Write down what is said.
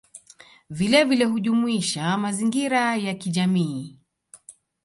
Vilevile hujumuisha mazingira ya kijamii